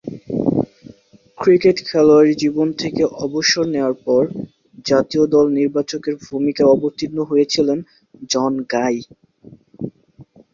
Cricket খেলোয়াড়ী জীবন থেকে অবসর নেয়ার পর জাতীয় দল নির্বাচকের ভূমিকায় অবতীর্ণ হয়েছিলেন জন গাই।